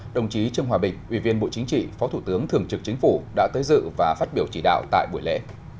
đồng chí trương hòa bình ủy viên bộ chính trị phó thủ tướng thường trực chính phủ đã tới dự và phát biểu chỉ đạo tại buổi lễ